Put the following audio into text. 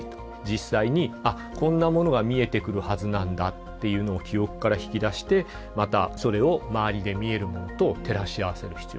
実際に「あっこんなものが見えてくるはずなんだ」っていうのを記憶から引き出してまたそれを周りで見えるものと照らし合わせる必要がある。